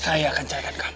saya akan carikan kamu